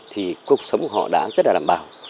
thì cuộc sống của họ đã rất là đảm bảo